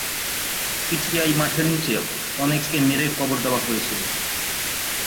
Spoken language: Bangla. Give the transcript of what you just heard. পিটিআই মাঠের নিচে অনেককে মেরে কবর দেওয়া হয়েছিল।